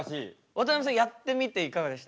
渡辺さんやってみていかがでした？